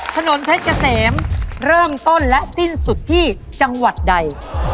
ถนนเพชรเกษมเริ่มต้นและสิ้นสุดที่จังหวัดใด